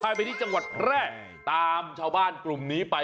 ไปที่จังหวัดแพร่ตามชาวบ้านกลุ่มนี้ไป